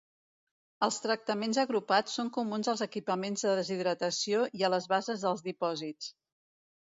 Els tractaments agrupats són comuns als equipaments de deshidratació i a les bases dels dipòsits.